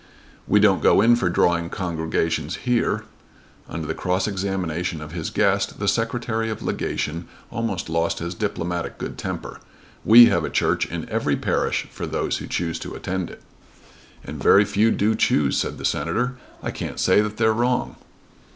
"We don't go in for drawing congregations here." Under the cross examination of his guest the Secretary of Legation almost lost his diplomatic good temper. "We have a church in every parish for those who choose to attend it." "And very few do choose," said the Senator. "I can't say that they're wrong."